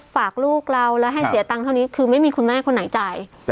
ฝากลูกเราแล้วให้เสียตังค์เท่านี้คือไม่มีคุณแม่คนไหนจ่าย